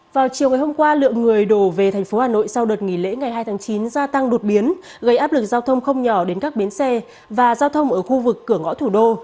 vào chiều ngày hôm qua lượng người đổ về thành phố hà nội sau đợt nghỉ lễ ngày hai tháng chín gia tăng đột biến gây áp lực giao thông không nhỏ đến các bến xe và giao thông ở khu vực cửa ngõ thủ đô